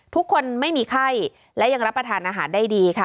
ทุกคนไม่มีไข้และยังรับประทานอาหารได้ดีค่ะ